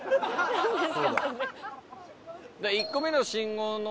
そうですね。